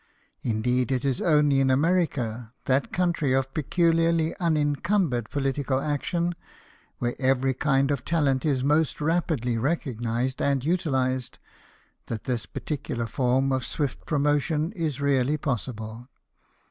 Indeed, it is only in America, that country of peculiarly unencumbered political action, where every kind of talent is most rap idly recognized and utilized, that this par ticular form of swift promotion is really possible.